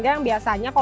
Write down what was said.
dan yang paling besar